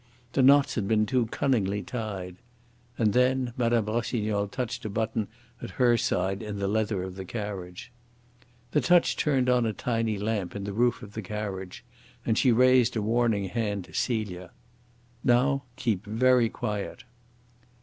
The knots had been too cunningly tied. And then Mme. Rossignol touched a button at her side in the leather of the carriage. The touch turned on a tiny lamp in the roof of the carriage, and she raised a warning hand to Celia. "Now keep very quiet."